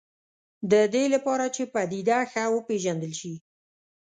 د دې لپاره چې پدیده ښه وپېژندل شي.